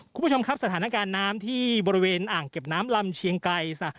คุณผู้ชมครับสถานการณ์น้ำที่บริเวณอ่างเก็บน้ำลำเชียงไกร